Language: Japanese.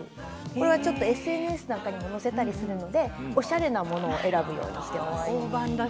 これはＳＮＳなんかにも載せたりするのでおしゃれなものを選ぶようにしています。